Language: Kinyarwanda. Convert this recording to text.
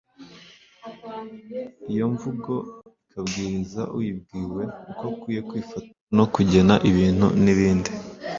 Iyo mvugo ikabwiriza uyibwiwe uko akwiye kwifata no kugena ibintu n'ibindi.